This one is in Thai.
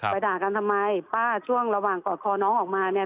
ด่ากันทำไมป้าช่วงระหว่างกอดคอน้องออกมาเนี่ย